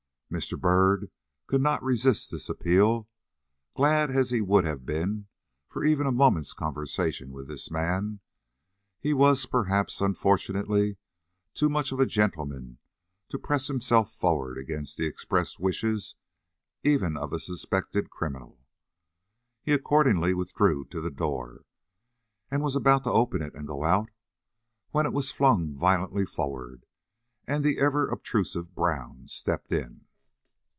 Mr. Byrd could not resist this appeal. Glad as he would have been for even a moment's conversation with this man, he was, perhaps unfortunately, too much of a gentleman to press himself forward against the expressed wishes even of a suspected criminal. He accordingly withdrew to the door, and was about to open it and go out, when it was flung violently forward, and the ever obtrusive Brown stepped in.